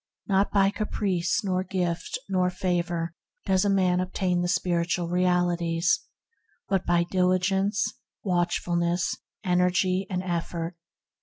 Not by caprice, nor gift, nor favor does a man obtain the spiritual realities, but by diligence, watchfulness, energy, and effort.